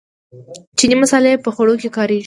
چیني مسالې په خوړو کې کاریږي.